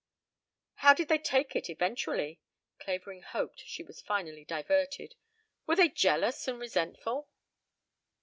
"How did they take it individually?" Clavering hoped she was finally diverted. "Were they jealous and resentful?"